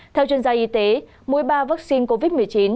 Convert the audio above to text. theo chuyên gia y tế mỗi ba vaccine covid một mươi chín